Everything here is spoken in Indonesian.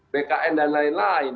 bkn dan lain lain